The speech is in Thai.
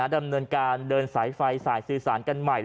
ดำเนินการเดินสายไฟสายสื่อสารกันใหม่